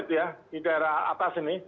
di daerah atas ini